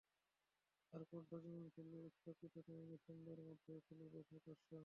তার কণ্ঠ যেমন ছিল উচ্চকিত তেমনি সুরের মধ্যেও ছিল বেশ আকর্ষণ।